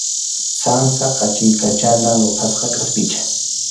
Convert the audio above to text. Sansa qachiykachana ruphasqa kʼaspicha.